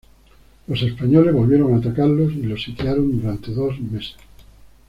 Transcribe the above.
Los españoles volvieron a atacarlos, y los sitiaron durante dos meses.